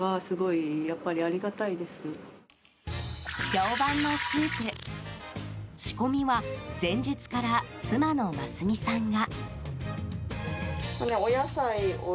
評判のスープ、仕込みは前日から妻の麻純さんが。